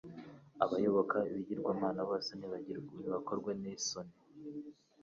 Abayoboka ibigirwamana bose nibakorwe n’isoni